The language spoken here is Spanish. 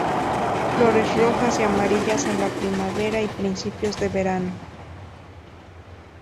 Flores rojas y amarillas en la primavera y principios de verano.